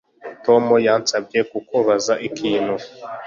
Tom yansabye kukubaza ikintu